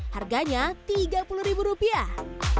harganya tiga puluh rupiah